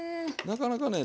なかなかね